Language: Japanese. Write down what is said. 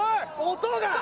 音が！